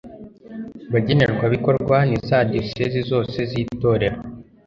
bagenerwabikorwa ni za diyosezi zose z itororero